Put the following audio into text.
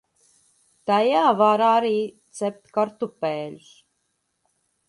Tajā var arī cept kartupeļus.